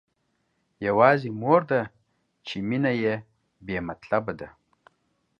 يوازې مور ده چې مينه يې بې مطلبه ده.